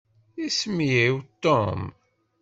Isem-iw Tom.